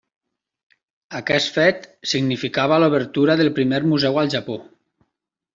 Aquest fet, significava l'obertura del primer museu al Japó.